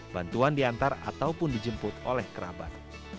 bantuan diantar ataupun dijemput oleh kerabat